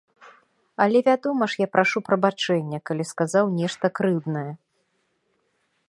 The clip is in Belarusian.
Але вядома ж я прашу прабачэння, калі сказаў нешта крыўднае.